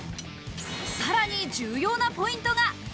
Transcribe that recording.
さらに重要なポイントが。